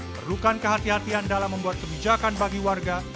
perlukan kehati hatian dalam membuat kebijakan bagi warga